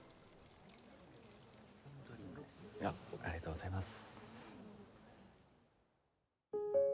ありがとうございます。